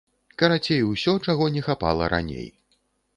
Карацей, усё, чаго не хапала раней.